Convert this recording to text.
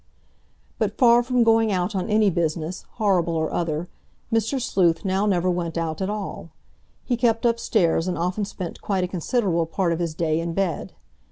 But far from going out on any business, horrible or other, Mr. Sleuth now never went out at all. He kept upstairs, and often spent quite a considerable part of his day in bed.